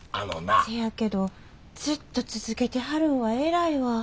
せやけどずっと続けてはるんは偉いわ。